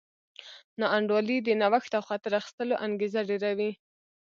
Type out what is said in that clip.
ناانډولي د نوښت او خطر اخیستلو انګېزه ډېروي.